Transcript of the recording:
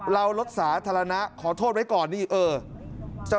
เรารถสาธารณะขอโทษไว้ก่อนนี่เออ